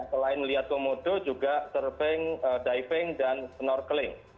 selain melihat komodo juga surving diving dan snorkeling